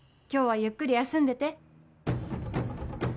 「今日はゆっくり休んでて」